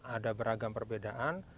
ada beragam perbedaan